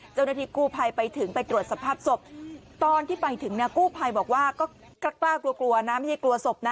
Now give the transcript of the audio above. เจ้าหน้าที่กู้ภัยไปถึงไปตรวจสภาพศพตอนที่ไปถึงกู้ภัยบอกว่ากล้ากล้ากลัวกลัว